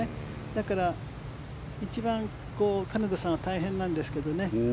だから一番金田さんは大変なんですけどね。